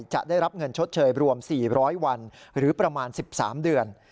จะได้รับเงินชดเชยรวม๔๐๐วันหรือประมาณ๑๓เดือน